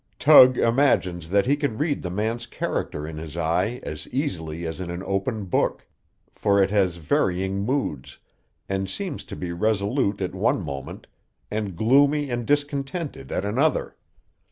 Tug imagines that he can read the man's character in his eye as easily as in an open book, for it has varying moods, and seems to be resolute at one moment, and gloomy and discontented at another.